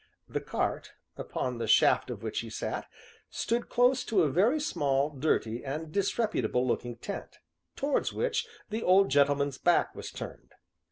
The cart, upon the shaft of which he sat, stood close to a very small, dirty, and disreputable looking tent, towards which the old gentleman's back was turned.